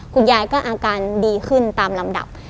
คุณยายก็อาการดีขึ้นตามลำดับ